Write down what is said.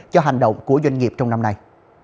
cho hành động của doanh nghiệp trong năm nay